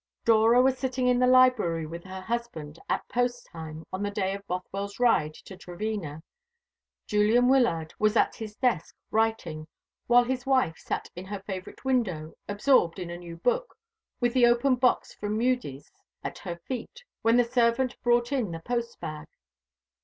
Dora was sitting in the library with her husband at post time on the day of Bothwell's ride to Trevena. Julian Wyllard was at his desk writing, while his wife sat in her favourite window, absorbed in a new book, with the open box from Mudie's at her feet, when the servant brought in the post bag.